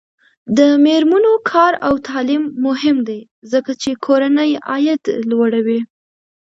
د میرمنو کار او تعلیم مهم دی ځکه چې کورنۍ عاید لوړوي.